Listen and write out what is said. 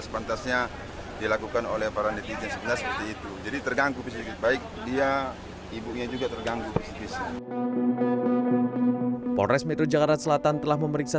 polres metro jakarta selatan telah memeriksa